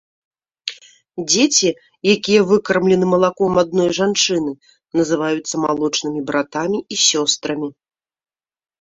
Дзеці, якія выкармлены малаком адной жанчыны, называюцца малочнымі братамі і сёстрамі.